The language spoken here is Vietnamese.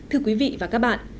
thưa quý vị và các bạn